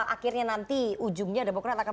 akhirnya nanti ujungnya demokrat akan